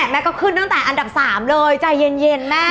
แม่ก็ขึ้นตั้งแต่อันดับ๓เลยใจเย็นแม่